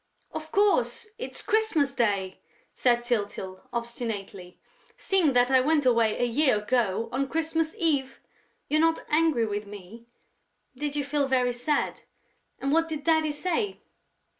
"Of course, it's Christmas Day," said Tyltyl, obstinately, "seeing that I went away a year ago, on Christmas Eve!... You're not angry with me?... Did you feel very sad?... And what did Daddy say?..."